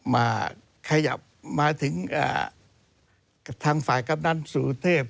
มาขยับมาถึงทางฝ่ายกัปตันสูทธิพย์